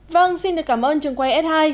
vâng xin được cảm ơn trưởng quay s hai